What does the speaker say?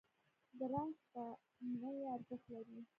د رنګ ساتنه یې ارزښت لري.